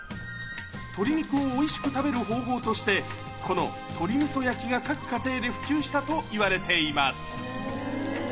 鶏肉をおいしく食べる方法として、この鶏みそ焼きが各家庭で普及したといわれています。